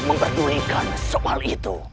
menghadulkan soal itu